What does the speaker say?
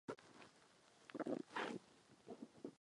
Existuje tedy velký důvod k obavám.